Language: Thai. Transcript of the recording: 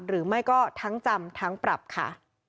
หรือไม่ก็ทั้งจำทั้งปรับค่ะ